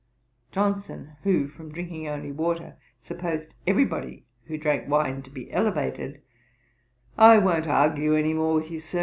JOHNSON. (who, from drinking only water, supposed every body who drank wine to be elevated,) 'I won't argue any more with you, Sir.